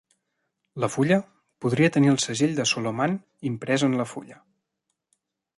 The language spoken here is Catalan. La fulla podria tenir el Segell de Soloman imprès en la fulla.